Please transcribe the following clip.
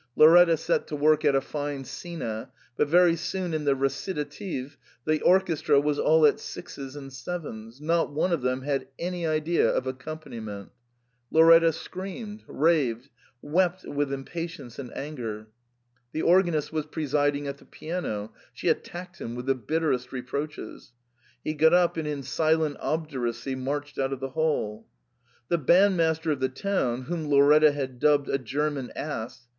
Lauretta set to work at a fine scena ; but very soon in the recitative the orchestra was all at sixes and sevens, not one of them had any idea of accompaniment. Lauretta screamed — raved — wept with impatience and anger. The organist was presiding at the piano ; she attacked him with the bitterest reproaches. He got up and in silent obduracy marched out of the hall. The bandmaster of the town, whom Lauretta had dubbed a 'German ass!'